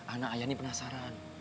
anak ayah ini penasaran